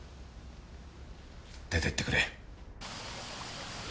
出てってくれ。